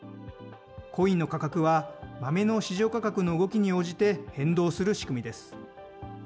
コインの価格は豆の市場価格の動きに応じて変動する仕組みです。